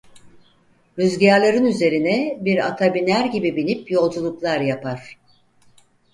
Rüzgârların üzerine bir ata biner gibi binip yolculuklar yapar.